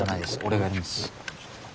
俺がやります。